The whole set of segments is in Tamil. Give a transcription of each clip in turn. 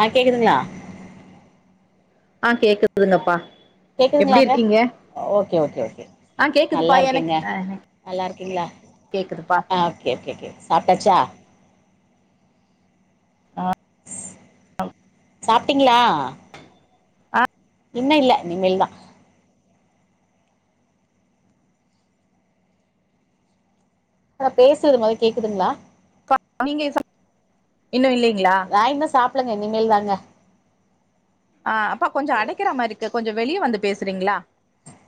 ஆ கேக்குதுங்களா ஆ கேக்குதுங்கப்பா எப்டி கேக்குதுங்களாங்க இருக்கீங்க ஓகே ஓகே ஓகே ஆ கேக்குதுப்பா நல்லா இருக்கேங்க எனக் ஆ கேக்குதுப்பா கே கே கே சாப்பிட்டாச்சா ஆ ஆ சாப்பிட்டீங்களா ஆ இன்னு இல்ல இனிமேல் த ந பேசுறுது முத கேக்குதுங்களா ம்ம் நீங்க சாப் இன்னும் இல்லங்கிளா நா இன்னு சாப்லங்க இனிமேல் தாங்க ஆ அப்ப கொஞ்சோ அடைக்கிற மாரிக்கு கொஞ்சோ வெளிய வந்து பேசுறீங்களா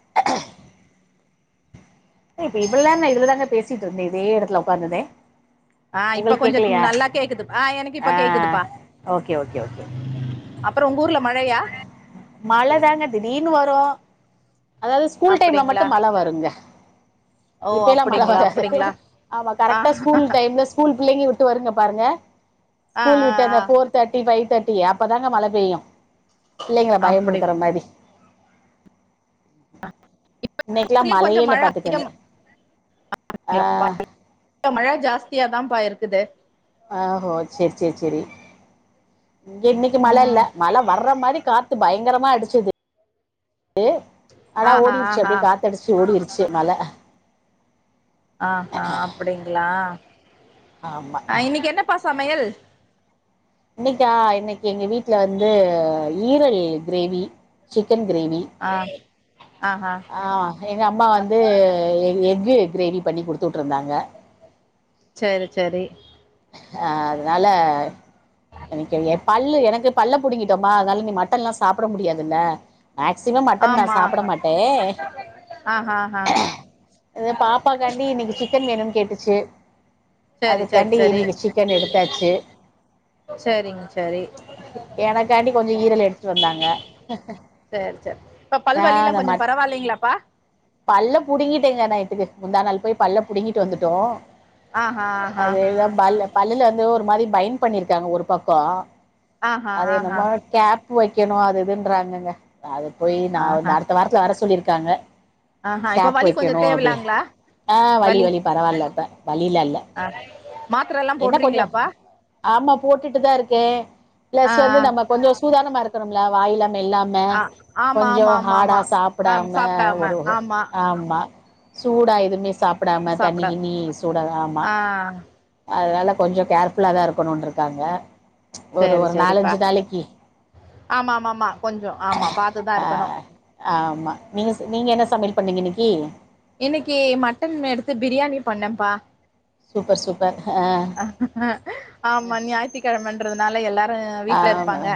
[unintelligible] இப்ப இவளல்லா நா இதுலதாங்க பேசிட்ருந்தே இதே இடத்ல உட்காந்ததே ஆ இப்ப கொஞ்சோ நல்லா கேக்குது ஆ எனக்கு இப்ப கேக்குதுப்பா ஓகே ஓகே ஓகே அப்ரோ உங்க ஊர்ல மழையா மழதாங்க திடீர்னு வரு அதாது ஸ்கூல் டைம்ல மட்டு அப்டிங்களா மழ வருங்க ஓ இப்ப எல்லா மழ அப்டிங்களா வராது அப்டிங்களா ஆமா ஆ கரெக்டா ஸ்கூல் டைம்ல ஸ்கூல் பிள்ளைங்க விட்டு வரும் பாருங்க ஆ ஆ இந்த போர் தேட்டி ஃபைவ் தேட்டி அப்பதாங்க மழ பெய்யு பெல்லைங்கள அப்டி பயமுறுத்துற மாரி இன்னைக்கெல்லா [inaudible] கொஞ்சோ மழையே இல்ல மழ பாத்துக்கங்க அதிகம் ஆ [inaudible] ப்ப மழ ஜாஸ்தியாதா பா இருக்குது ஆ ஹோ செரி செரி செரி இங்க இன்னிக்கு மழ இல்ல ம் மழ வர்ற மாரி காத் த்து பயங்கரமா அடிச்ச து ஆனா ஆஹா ஓடிர்ச்சு ஆஹா அப்டியே காத் தடிச்சு ஓடிர்ச்சு மல ஆ ஆ அப்டிங்ளா ஆமா இன்னிக்கு என்னப்பா சமையல் இன்னிக்கா இன்னிக்கு எங்க வீட்ல வந்து ஈரல் க்ரேவி சிக்கன் க்ரேவி ஆ ஆ ஹா ஆ எங்க அம்மா வந்து எ எக்கு க்ரேவி பண்ணி கொடுத்து வுட்ருந்தாங்க செரி செரி அ அதனால [unintelligible] பல்லு எனக்கு பல்ல புடிங்கிட்டோமா அதனால நீ மட்டன் ல்லாம் சாப்ட முடியாதுல்ல மேக்சிமம் மட்டன் நா ஆமா சாப்ட மாட்டே ஆஹா ஆஹா இது பாப்பாக்காண்டி இன்னிக்கு சிக்கன் வேணுனு கேட்டுச்சு செரி செரி தி இன்னிக்கி சிக்கன் எடுத்தாச்சு சேரிங்க சேரி எனக்காண்டி கொஞ்ச ஈரல் எடுத்துட்டு வந்தாங்க சேர் சேர் இப்ப நா பல்வலில்லா அந்த கொஞ்ச மட் பரவாயில்லைங்ளாப்பா பல்ல புடுங்கிட்டேங்க நைட்டுக்கு முந்தா நாள் போய் பல்ல புடிங்கிட்டு வந்துட்டோ ஆஹா ஆஹா அதேதா பல்லு பல்லுல வந்து ஒரு மாரி பைன் பண்ணிருக்காங்க ஒரு பக்கோ ஆஹா அத ஆஹா என்னமோ கேப்பு வைக்கணு அது இதுன்றாங்கங்க அது போய் நா ஆஹா அடுத்த வாரத்ல வர சொல்லியிருக்காங்க ஆஹா இப்ப கேப்பு வலி கொஞ்சோ வைக்கணு அப்டி தேவலாங்களா ஆ வலி வலி பரவாயில்ல இப்ப வலிலா இல்ல ஆ மாத்திர எல்லா என்ன கொஞ்சோ போடுறீங்ளாப்பா ஆமா போட்டுட்டு தா இருக்கே ஆ ப்ளஸ் வந்து நம்ம கொஞ்ச சூதானமா இருக்கணுய்ல வாயில மெல்லா ம ஆ ஆ ஆமா கொஞ்ச ஆமா ஆமா ஆமா ஹாடா ஆ சாப்புடாம சாப்டாம ஒரு ஆமா ஆமா சூடா எதுமே சாப்படாம தண்ணி சாப்டாம கின்னி சூடா ஆமா ஆ அதனால கொஞ்ச கேர்ஃபுல்லா தா இருக்கண்ருக்காங்க சேர் செரிப்பா ஆமாமாமா கொஞ்ச ஆமா பாத்து தா ஆ இருக்கணு ஆமா நீங்க நீங்க என்ன சமையல் பண்ணீங்க இன்னிக்கி இன்னிக்கி மட்டன் எடுத்து பிரியாணி பண்ணப்பா சூப்பர் சூப்பர் அ ஆமா ஞாயித்துக்கிழமன்றதுனால எல்லாரு வீட்ல ஆமா இருப்பாங்க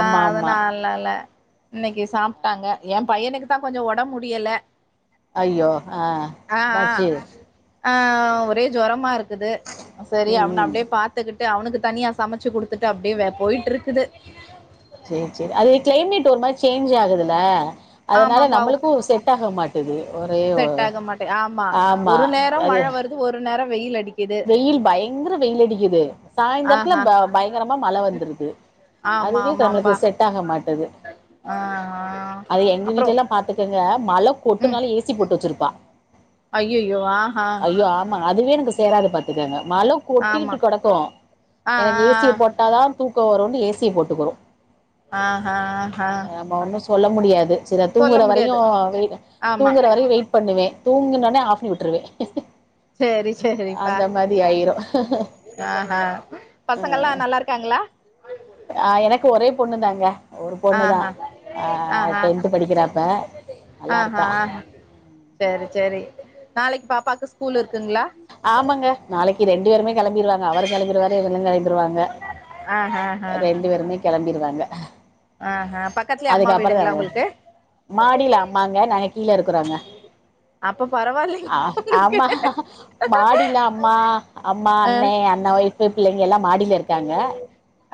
ஆ ஆமா அதுனாலல்ல இன்னைக்கி சாப்ட்டாங்க எ பையனுக்கு தா கொஞ்ச உடம்ப் முடியல அய்யோ ஆ ஆ ஆ எனாச்சு ஆ ஒரே ஜொரமா இருக்குது செரி ம் அவன ம் அப்டியே பாத்துக்கிட்டு அவனுக்கு தனியா சமச்சு குடுத்துட்டு அப்டே போயிட்டுருக்குது செரி செரி அது கிளைமேட் ஒரு மாரி சேஞ்ச் ஆகுதுல்ல அதனால ஆமாப்பா நம்மளுக்கு செட் ஆக மாட் டுது ஒரே ஒ செட் ஆக ஆமா அது வந்து ஒரு நேரோ வெயில் அடிக்கு வெயில் பயங்கர வெயில் அடிக்குது சாய்ந்தரத்துல ஆஹா ப பயங்கரமா மழ வந்துருது ஆமா ஆமாப்பா தாங்க மாட்டது ஆ ஆ அத எங்க அப்றோ வீட்ல எல்லா பாத்துக்கங்க மழ ம் கொட்டுனாலு ஏ சி போட்டு வச்சிருப்பா ஐய்யய்யோ ஆஹா ஐயோ ஆமா அதுவே எனக்கு சேராது பாத்துக்கங்க மழ ஆமா கொட்டிட்டு கெடக்கு ஆ எனக்கு ஏ சி ய ஆ போட்டாதா தூக்க வருன்னு ஏ சி ய போட்டுக்குறு ஆஹா ஹா ஒன்னு சொல்ல முடியாது செர் அது தூங்குற வரையு வெயிட் ஆமா தூங்குற வரையு வெயிட் பண்ணுவே தூங்குனனோ ஆஃப் பண்ணி விட்டுருவே செரி செரிப்பா அந்த மாரி ஆயிரு ஆஹா பசங்கல்லா நல்லா இருக்காங்ளா ஆ எனக்கு ஒரே பொண்ணு தாங்க ஒரு பொண்ணு தா ஆஹா ஆஹா டென்த்து படிக்கிறா இப்ப நல்லாயிருக்கா செரி செரி நாளைக்கு பாப்பாக்கு ஸ்கூல் இருக்குங்ளா ஆமாங்க நாளைக்கி ரெண்டு பேருமே கெளம்பிடுவாங்க அவரு கெளம்பிருவாரு இவளும் கெளம்பிருவாங்க ஆஹா ஆஹா ரெண்டு பேருமே கெளம்பிருவாங்க ஆஹா பக்கத்துலயே அம்மா அதுக்கப்புற வீடுங்களா தாங்க உங்களுக்கு மாடியில அம்மாங்க நாங்க கீழ இருக்குறோங்க அப்ப பரவாயில்லைங்க அ உங்களுக்கு ஆமா மாடில அம்மா அம்மா ஆ அண்ணே அண்ணன் ஒய்ஃப்பு பிள்ளைங்க எல்லா மாடில இருக்காங்க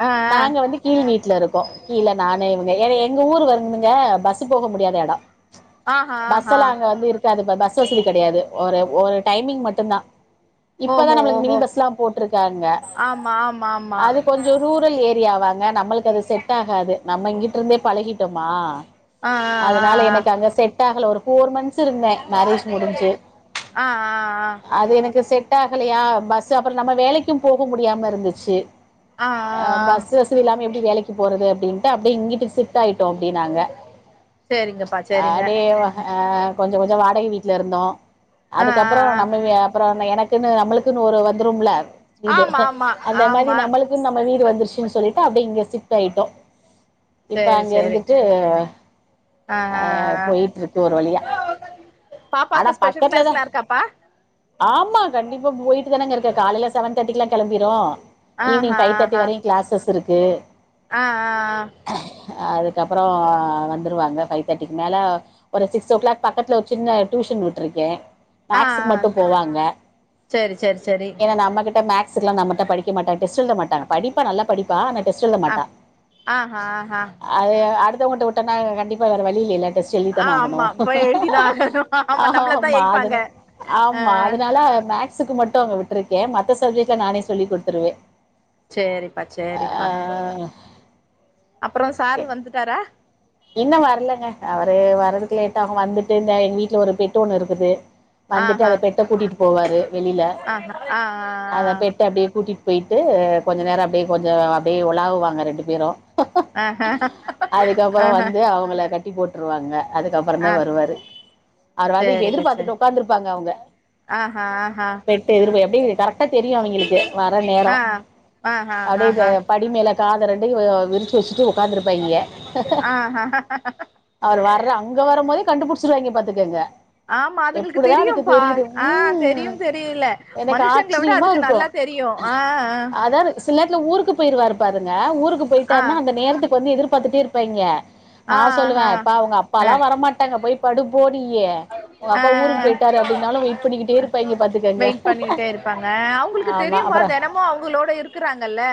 ஆ நாங்க ஆ வந்து கீழ் வீட்ல இருக்கோ கீழ நானு இவங்க ஏன்னா எங்க ஊரு வந்துங்க பஸ் போக முடியாத எடம் ஆஹா பஸ் ஆஹா எல்லா அங்க வந்து இருக்காது பஸ் வசதி கெடையாது ஒரு ஒரு டைமிங் மட்டுந்தா இப்பதா ஓஹோ நம்பளுக்கு மினி ஓஹோ பஸ்ல்லா போட்ருக்காங்க ஆமா ஆமா ஆமா அது கொஞ்சோ ரூரல் ஏரியாவாங்க நம்மளுக்கு அது செட் ஆகாது நம்ம இங்கிட் இருந்தே பழகிட்டோமா ஆ ஆ அதனால எனக்கு அங்க செட் டாகல ஒரு ஃபோர் மந்த்ஸ் இருந்தே மேரேஜ் முடிஞ்சு ஆ ஆ ஆ ஆ அது எனக்கு செட் ஆகலையா பஸ் அப்புறோ நம்ப வேலைக்கு போக முடியாம இருந்துச்சி ஆ அ பஸ்சு வசதி இல்லாம எப்டி வேலைக்கு போறது அப்டின்ட்டு அப்டியே இங்கிட்டு ஷிப்ட் டாய்டோ அப்டியே நாங்க சேரிங்கப்பா சேரிங்க அப்டியே ஆ கொஞ்ச கொஞ்சோ வாடகை வீட்ல இருந்தோ ஆ ஆ அதுக்கப்றோ ஆ நம்மவே அ ப்றோ எனக்குன்னு நம்மளுக்குன்னு ஒரு வந்துரு மில்ல வீடு ஆமா ஆமா அந்த மாறி ஆமா நம்மளுக் இது நம்ம வீடு வந்துருச்சு சொல்லிட்டு அப்டியே இங்க ஷிப்ட் ஆயிட்டோ இப்ப சேரி அங்க சேரி இருந்துட்டு ஆ அ ஆ ஆ போயிட்ருக்கு ஒரு வழியா ஆனா பாப்பாக்கு ஸ்பெஷல் பக்கத்துல கிளாஸ் தான் எல்லா இருக்காப்பா ஆமா கண்டிப்பா போயிட்டு தானங்க இருக்கோ காலைல செவன் தேர்ட்டி எல்லா கிளம்பிரும் ஈவினிங் ஆஹா ஃபை தேர்ட்டி வரையு கிளாஸஸ் இருக்கு அ அ அ அதுக்கப்றோ அ வந்துடுவாங்க ஃபைவ் தேர்ட்டிக்கு மேல ஒரு சிக்ஸ் ஓ கிளாக் பக்கத்துல ஒரு சின்ன டியூஷன் உட்ருக்கே ஆ ஆ ஆ மேக்ஸ்க்கு மட்டு போவா அங்க சேரி சேரி சேரி ஏன்னா நம்மகிட்ட மேக்ஸ் லா நம்மகிட்ட படிக்க மாட்டா டெஸ்ட் எழுத மாட் டா படிப்பா நல்லா படிப்பா ஆனா டெஸ்ட் எழுத ஆ மாட்டா ஆஹா ஆஹா அது அடுத்தவங்கிட்ட உட்டோன்னா கண்டிப்பாக வேற வழி இல்லல்ல டெஸ்ட் எழுதி ஆ தானே ஆகணு ஆமா போய் எழுதிதா ஆகணு நம்மளதா ஆமா அது ஏய்ப்பாங்க மாறி ஆ ஆமா அதனால மேக்ஸ்க்கு மட்டு அங்க விட்டுருக்கே மத்த சப்ஜெக்ட்லா நானே சொல்லி குடுத்துருவே சேரிப்பா சேரிப்பா அ அப்புறோ சாரு வந்துட்டாரா இன்னும் வரலங்க அவரு வரதுக்கு லேட்டாக வந்துட்டு இந்தா எங்க வீட்ல ஒரு பெட்டு ஒண்ணு இருக்குது வந்துட்டு ஆஹா அந்த பெட்ட கூட்டிட்டு போவாரு வெளில ஆஹா ஆ அந்த பெட்ட அப்டியே கூட்டிட்டு போயிட்டு கொஞ்ச நேரம் அப்டியே கொஞ்சோ அப்டியே உழாவுவாங்க ரெண்டு பேரும் ஆ ஆ ஆஹா அதுக்கப் ஆஹா றோ அவங்கள கட்டி போட்ருவாங்க அதுக்கப்பறோ தா ஆ வருவாரு அவரு வந்து இப்ப சேரிங்க சேரி எதிர்பாத்துட்டு உக்காந்துருப்பாங்க அவங்க ஆஹா ஆஹா பெட் [unintelligible] அப்டியே கரெக்டா தெரியு அவிங்களுக்கு வர நேரோ ஆ ஆஹா அப்டியே ஆஹா படி மேல காத ரெண்டையு விரிச்சி வச்சிட்டு உக்காந்திருப்பாங்க அ ஆ அவரு வர்ற அங்க வரும் போதே கண்டுபிடிச்சடுவாங்க பாத்துக்கங்க ஆமா அதுங்களுக்கு எப்டிதா அதுக்கு தெரியுப்பா தெரியுது அ தெரியு ம் தெரியல எனக்கு மனுஷங்கள விட ஆச்சரியமா அதுக்கு இருக்கு நல்லா தெரியு ஆ அ அதா சில நேரத்துல ஊருக்கு போயிவாரு பாருங்க அ ஊருக்கு ஆ போயிட்டாருன்னா அந்த நேரத்துக்கு வந்து எதிர்பாத்துட்டே இருப்பாங்க நா ஆ சொல்லுவே ஆ எப்பா அவுங்க ஆ அப்பால்லா வரமாட்டாங்க போய் படு போ நீயே ஒங்க ஆ அப்பா ஊருக்கு போயிட்டாரு அப்டின்னாலு வெயிட் பண்ணிக்கிட்டே இருப்பாங்க பாத்துக்கோங்க பாங்க ஆ அவுங்களுக்கு தெரியும்பா தெனமு அவுங்களோட இருக்குறாங்கல்ல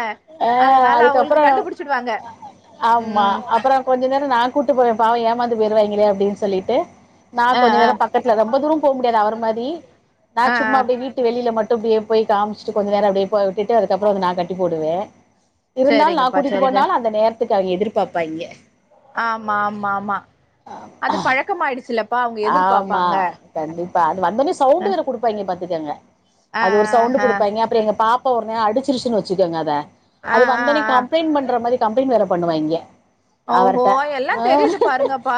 ஆ அதனால அவங்களுக்கு அதுக்கப்றோ கண்டுபிடிச்சிடுவாங்க ஆமா ம் அப்பறோ கொஞ்ச நேரோ நா கூட்டு போவே பாவம் ஏமாந்து போயிருவாங்களே அப்டின் சொல்லிட்டு நா ஆ கொஞ்ச ஆ நேரோ பக்கத்துல ரொம்ப தூரோ போ முடியாது அவர மாரி நா ஆ ஆ சும்மா அப்டியே வீட் டு வெளில மட்டு அப்டியே போய் காமிச்சிட்டு கொஞ்ச நேரோ அப்டியே போக விட்டுட்டு அதுக்கப்பறோ வந்து நா கட்டி போடுவே இருந்தாலு நா சேரிங்கப்பா கூட்டிட்டு சேரிங்க போனாலு அந்த நேரத்துக்கு அவிங்க எதிர்பாப்பாங்க ஆமா ஆமா ஆமா அது பழக்கமாயிடுச்சில்ல ஆமா கண்டிப்பா அது வந்த ஒன்னே சவுண்ட் வேற அ குடுப்பாங்க பாத்துக்கோங்க ஆ அது ஒரு சவுண்ட் ஆ குடுப்பாங்க அப்பறோ எங்க பாப் பா ஒரு நாள் அடிச்சிருச்சின்னு வச்சிக்கோங்க அத ஆ அது ஆ வந்தோனே ஆ கம்ளைண்ட் பண்ற மாரி கம்ளைண்ட் வேற பண்ணுவாங்க ஓஹோ அவர்ட்ட எல்லா ஆ தெரியுது பாருங்கப்பா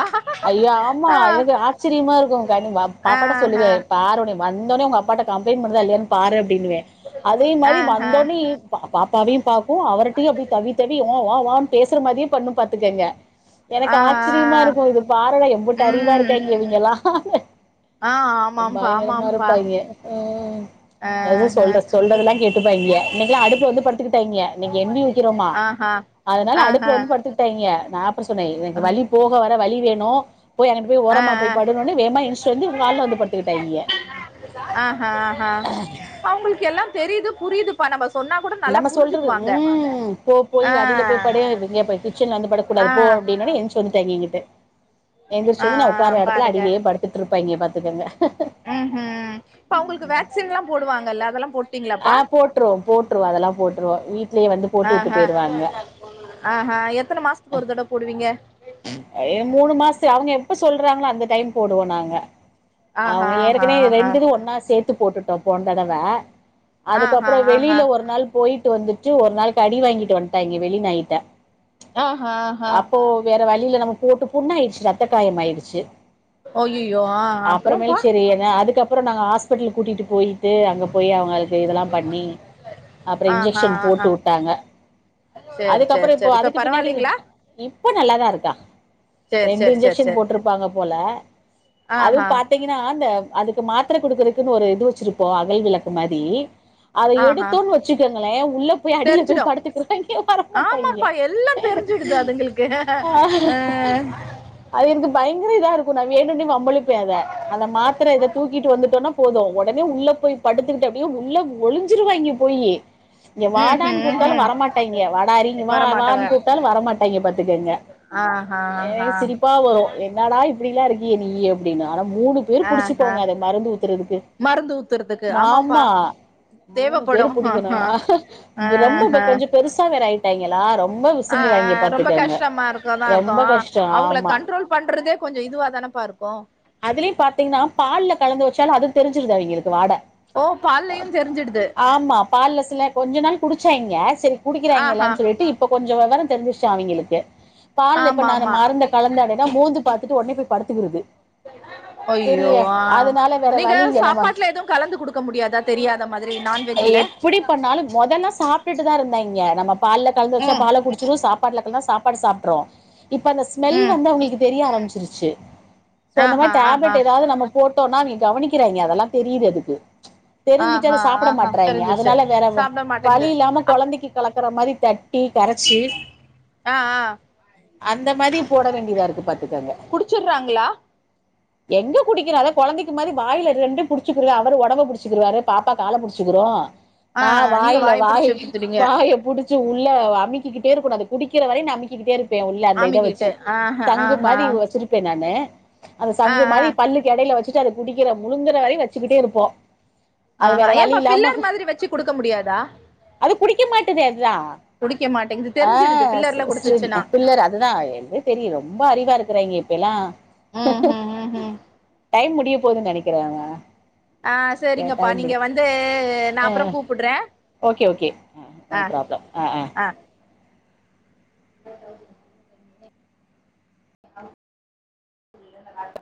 ஐயா ஆமா ஆ எனக்கு ஆச் சிரியமா இருக்கு கனி வா ஆ பாப்பாட்ட ஹ சொல்லுவே பாரு ஒன்னய வந்தோனயு உங்க அப்பாட்ட கம்ப்ளைன்ட் பண்ணுதா இல்லயான்னு பாரு அப்டின்னுவே அதே ஆ மாரி ஹ வந்த ஒன்னே பாப்பாவையு பாக்கு அவர்டையு அப்டியே தவ்வி தவ்வி ஓ ஓ ஓ வான் பேசுற மாரியே பண்ணும் பாத்துக்கோங்க எனக்கு ஆ ஆ ஆச்சரியமா இருக்கு இது பார்லே எம்புட்டு அறிவா ம் இருக்காங் க இவிங்களா ஆ ஆமாம்பா பயங்கரமா ஆமாம்பா இருப்பாங்க ம் ஆ எத ஹ சொல்ற சொல்றதுல்லா கேட்டுப்பாங்க இன்னக்கில்லா அடுப்புல வந்து படுத்துக்கிட்டாங்க இன்னக்கி என் வி வைக்கிறோமா ஆஹா அதுனால ஆஹ அடுப்புல வந்து படுத்துகிட் டாங்க நா அப்பறோ சொன்னே எனக்கு வழி போக வர வழி வேணு போய் அங்குட்டு போய் ஆ ஓரமா ஆ போய் படுங்கன்னு வேமா எந்திச்சி வந்து கால்ல வந்து படுத்துக்கிட்டாங்க அவுங்களுக்கு எல்லா தெரியிது புரியிது நம்ம சொல்றது ம் போ போய் ஆ அடில போய் படு அப்டிங்கயே போயி கிச்சன்ல வந்து ஆ படுக்ககூடாது போ அப்டின்ன ஒன்னே எந்ச்சு வந்துட்டாங்க இங்கிட்டு எந்திரிச்சி ஆ வந்து நா உக்கார்ர எடத்துல பாருங்க அடியிலயே படு த்துருப்பாங்க பாத்துக்கோங்க ம் ம் இப்ப அவுங்களுக்கு வேக்சின்ல்லா போடுவாங்கல்ல அதெல்லா போட் ஆ போட்டுருவோ போட்டுருவோ அதெல்லா போட்டுருவோ வீட்லயே வந்து போட்டு விட்டு போயிடுவாங்க ஆ ஹா எத்தன மாசத்துக்கு ஒரு தடவ போடுவீங்க ஏ மூணு மாசோ அவங்க எப்ப சொல்றாங்களோ அந்த டைம் போடுவோ நாங்க ஆஹா ஆமா ஆஹா ஏற்கனவே ஆஹா ரெண்டுது ஒன்னா சேத்து போட்டுட்டோ போன தடவ ஆஹா அதுக்கப்பறோ வெளில ஆஹா ஒரு நாள் போயிட்டு வந்துட்டு ஒரு நாள் கடி வாங்கிட்டு வந்ட்டாங்க வெளிநாய்ட்ட ஆஹா ஆஹா அப்போ வேற வழி இல்ல நம்ம போட்டு புண்ணாயிடுச்சி ரத்த காயம் ஆயிடுச்சி அய்யய்யோ ஆ அப்புறம்ப்பா அப்றமேல் செரி என்ன அதுக்கப்பறோ நாங்க ஹாஸ்பிட்டல் கூட்டிட்டு போயிட்டு அங்க போய் அதுக்கு இதெல்லா பண்ணி அப்றோ ஆஹா இன்ஜெக்ஷன் போட்டு ஆஹா விட்டாங்க சேரி சேரி அதுக்கப்பறோ இப்போ சேரி இப்ப அதுக்கு பின்னாடி இது பரவாயில்லைங்களா இப்ப நல்லதா இருக்கா சேரி ரெண்டு சேரி சேரி இன்ஜெக்ஷன் சேரி போட்ருப்பாங்க போல அதுவு ஆஹா பாத்தீங் தீங்கன்னா அந்த அதுக்கு மாத்ர குடுக்குறகுன்னு ஒரு இது வச்சிருப்போ அகல் விளக்கு மாரி அத ஆஹா எடுத்தோன்னு வச்சுக்கோங்களே உள்ள போய் அடில போய் தெரிஞ்சிடு படுத்துக்கிருப்பாங்க வர வரமாட்டாங்க ஆமாப்பா எல்லா தெரிஞ்சுடுது அதுங்களுக்கு ஆ அது எனக்கு பயங்கர இதா இருக்கு நா வேணுன்னே வம்பு இழுப்பே அத அந்த மாத்ர இத தூக்கிட்டு வந்துட்டோனா போது உடனே உள்ள போய் படுத்துக்கிட்டு அப்டியே உள்ள ஒழிஞ்சிருவாங்க போயி இங்க ம் வாடான்னு ம் கூப்டாலு ம் வரமாட்டங்க வாட அரி இங்க வா வரமாட்டாங்க வான்னு கூப்ட்டாலு வரமாட்டாங்க பாத் துங்க ஆஹா ஆஹா எனக்கு சிரிப் ப்பா வரு என்னடா இப்டிலா இருக்கயே நீ அப்டின்னு ஆனா மூணு பேரு ஆஹா பிடிச்சுக்கோங்க அத மருந்து ஊத்துறது க்கு மருந்து ஊத்துறதுக்கு ஆமாப்பா மாமா மூணு தேவப்படு பேரு புடிக்கணு ஆ ரொம்ப ஹ ஆ கொஞ்ச பெருசா வேற ஆயிட்டாங்களா ரொம்ப ஆ சிந்துவாங்கய ரொம்ப பாத்துக்க கஷ்டமா இருக்கதா இருக்கு அவங்கள ஆமா கண்ட்ரோல் பண்றதே கொஞ்ச இதுவா தானப்பா இருக்கு அதுலயு பாத்தீங்கன்னா பால்ல கலந்து வச்சாலு அது தெரிஞ்சுருகாது எங்களுக்கு வாட ஓ பால்லயு தெரிஞ்சிடுது ஆமா பால்ல சில கொஞ்ச நாள் குடிச்சாங்க செரி குடிக்கிறாங்க ஆஹா எல்லானு சொல்லிட்டு இப் ப கொஞ்ச வெவர தெரிஞ்சுருச்சா அவிங்களுக்கு பால்ல இப்ப ஆமா நானு ஆமா மருந்து கலந்தாடனா மோந்து பாத்துட்டு உடனே போய் படுத்துகுரது அய்யோ ஆ அதனால வேற நீங்க வழி இல்ல நம்ம சாப்பாட்ல எது கலந்து குடுக்க முடியாதா தெரியாத மாரி நான்வெஜ்ல எப்டி பண்ணாலு மொதல்ல சாப்ட்டுட்டு தா இருந்தாய்ங்க நம்ம பால்ல கலந்து வச்சா ம் பால குடிச் சாப்பாடகல சாப்பாடு சாப்ட்றோ இப்ப அந்த ஸ்மெல் ம் வந்து அவங்களுக்கு தெரிய ஆரமிச்சிருச்சு சோ அந்த மா ஆஹா ஆஹா டேப்லெட் ஏதாது நம்ம போட்டோனா அவிங்க கவனிக்கிறாங்க அதெல்லா தெரிது அதுக்கு தெரிஞ்சுட்டு அத ஆஹா சாப்பிட ஆஹா மாட்றாயிங்க தெரிஞ்சிருச்சு அதனால வேற சாப்ட வழி மாட்டேங்குது இல்லாம அப் குழந்தைக்கு கலக்கற மாரி தட் டு கரைச்சு ஆ ஆ அந்த மாரி போட வேண்டியதா இருக்கு பாத்துக்கங்க ச்சிட்றாங்ளா எங்க குடிக்கர அத குழந்தைக்கு மாரி வாயில ரெண்டு புடிச்சக்குரு அவரு உடம்ப புடிச்சிகுருவாரு பாப்பா கால புடிச்சிக்கிடு ஆ நா நீங்க வாய்ல வாய புடிச்சு குத்துறீங்க வாய புடிச் உள்ள அமிக்கிக்கிட்டே இருக்கன்னு அது குடிக்கிற வரையு நாஅமிக்கிட்டே இருக்கு உள்ள அந்த இத ஆமிக்கிட்டு வச்சு ஆஹ சங்கு ஆஹ மாரி வச்சிருப்பே நானு அந்த ஆ சங்கு ஆ மாரி பல்லுக் எடையில வச்சிட்டு அது குடிக்கிற முழுங்கற வரையு வச்சுக்கிட்டே இருப்போ ஆ ஹா ஏன்ப்ப ஃபில்லர் மாத்ரி வச்சு குடுக்க முடியாதா அது குடிக்க மாட்டதே அதா குடிக்க மாட்டேங்குது ஆ தெரிஞ்சிடுது சே ஃபில்லர்ல செரி குடுத்துச்சுன்னா பிள்ளர் அதா எது செரி ரொம்ப அறிவா இருகரயிங்க இப்ப எல்லா ம் ம் ம் ம் டைம் முடிய போதுன்னு நினைக்கிறேங்க ஆ சரிங்கப்பா நீங்க வந்து நா ஆ அப்ற கூப்புட்றே ஓகே ஓகே நோ ஆ பிராப்ளம் ஆ ஆ [unintelligible]